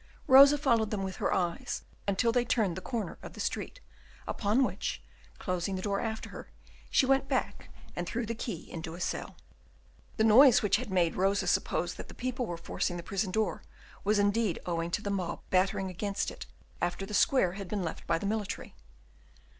Rosa followed them with her eyes until they turned the corner of the street, upon which, closing the door after her, she went back and threw the key into a cell. The noise which had made Rosa suppose that the people were forcing the prison door was indeed owing to the mob battering against it after the square had been left by the military.